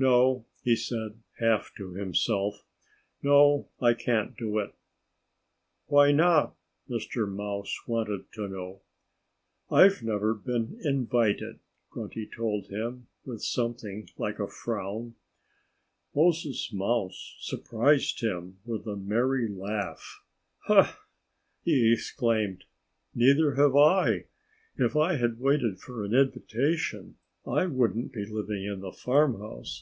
"No!" he said, half to himself. "No! I can't do it." "Why not?" Mr. Mouse wanted to know. "I've never been invited," Grunty told him, with something like a frown. Moses Mouse surprised him with a merry laugh. "Ho!" he exclaimed. "Neither have I. If I had waited for an invitation I wouldn't be living in the farmhouse.